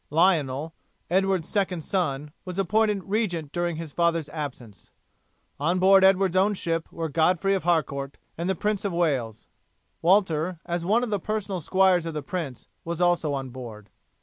Lionel, Edward's second son, was appointed regent during his father's absence. On board Edward's own ship were Godfrey of Harcourt and the Prince of Wales. Walter, as one of the personal squires of the prince, was also on board.